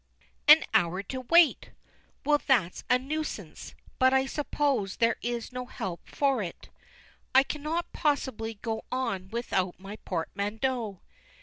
An hour to wait! Well that's a nuisance, but I suppose there is no help for it. I cannot possibly go on without my portmanteau.